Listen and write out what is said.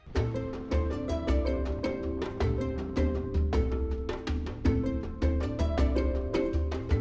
jangan lupa untuk berlangganan